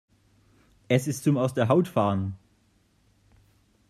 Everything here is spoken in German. Es ist zum aus der Haut fahren!